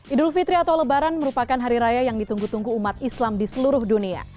idul fitri atau lebaran merupakan hari raya yang ditunggu tunggu umat islam di seluruh dunia